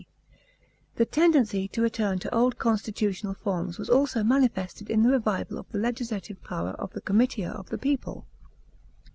D.). The tendency to return to old constitutional forms was also manifested in the revival of the legislative power of the comitia of the people.